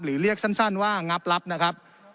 เรียกสั้นว่างับลับนะครับ